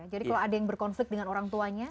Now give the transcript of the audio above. jadi kalau ada yang berkonflik dengan orang tuanya